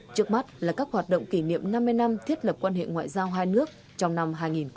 trước mắt là các hoạt động kỷ niệm năm mươi năm thiết lập quan hệ ngoại giao hai nước trong năm hai nghìn hai mươi